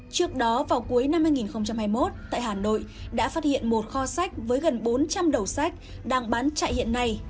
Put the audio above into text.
trước đó vào cuối năm hai nghìn hai mươi một tại hà nội đã phát hiện một kho sách với gần bốn trăm linh đầu sách đang bán chạy hiện nay